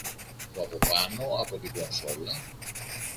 που από πάνω από την κονσόλα